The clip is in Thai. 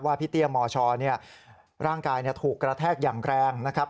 พี่เตี้ยมชร่างกายถูกกระแทกอย่างแรงนะครับ